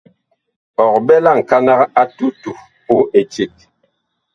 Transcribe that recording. Ɔg ɓɛ la ŋkanag a tutu puh eceg.